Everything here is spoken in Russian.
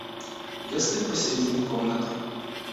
Я стою посередине комнаты.